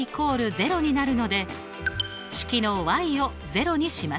０になるので式のを０にします。